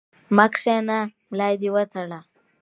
مه کښېنه ، ملا دي وتړه!